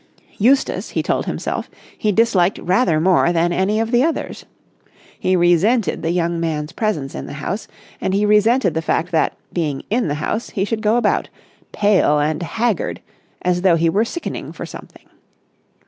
Eustace, he told himself, he disliked rather more than any of the others. He resented the young man's presence in the house; and he resented the fact that, being in the house, he should go about, pale and haggard, as though he were sickening for something.